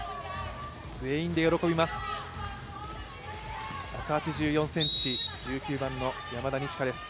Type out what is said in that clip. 全員で喜びます。